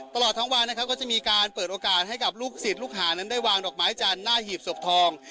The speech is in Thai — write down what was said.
ตลอดทั้งวันนะครับก็จะมีการเปิดโอกาสให้กับลูกศิษย์ลูกหานั้นได้วางดอกไม้จันทร์หน้าหีบศพทอง